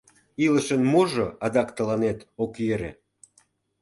Илышын можо адак тыланет ок йӧрӧ?